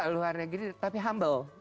luar negeri tapi humble